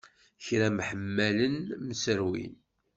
Kra mḥemmalen mserwin.